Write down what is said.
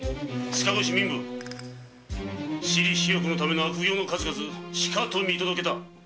塚越民部私利私欲のための悪行の数々しかと見届けた。